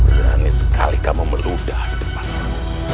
berani sekali kamu meludah di depan aku